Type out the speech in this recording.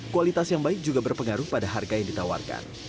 kualitas yang baik juga berpengaruh pada harga yang ditawarkan